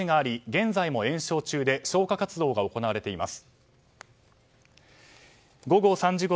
現在も延焼中で消火活動が続けられています。